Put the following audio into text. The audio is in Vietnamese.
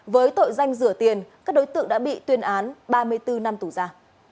với tội danh rửa tiền các đối tượng đã bị tuyên án ba mươi bốn năm tù ra